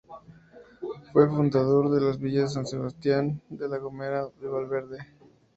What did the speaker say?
Fue el fundador de las villas de San Sebastián de La Gomera y Valverde.